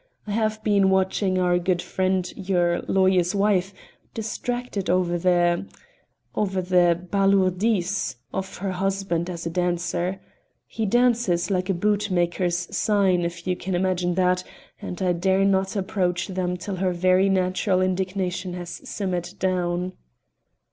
I have been watching our good friend, your lawyer's wife, distracted over the over the balourdise of her husband as a dancer: he dances like a bootmaker's sign, if you can imagine that, and I dare not approach them till her very natural indignation has simmered down."